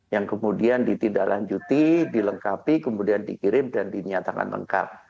yang kemudian ditindaklanjuti dilengkapi kemudian dikirim dan dinyatakan lengkap